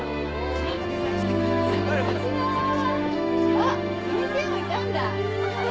あっ先生もいたんだ。